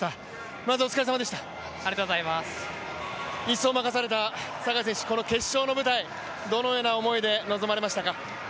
まずお疲れさまでした、１走を任された坂井選手、決勝の舞台、どのような思いで臨まれましたか？